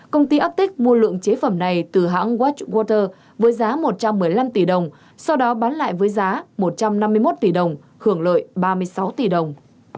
công ty aptic mua lượng chế phẩm này từ hãng watch water với giá một trăm một mươi năm tỷ đồng sau đó bán lại với giá một trăm năm mươi một tỷ đồng hưởng lợi ba mươi sáu tỷ đồng